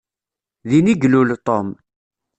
Din i ilul Tom.